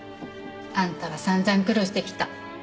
あんたは散々苦労してきた。